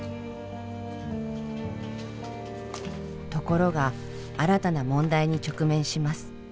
ところが新たな問題に直面します。